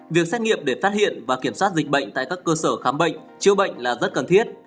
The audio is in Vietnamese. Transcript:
việc xét nghiệm để phát hiện và kiểm soát dịch bệnh tại các cơ sở khám bệnh chữa bệnh là rất cần thiết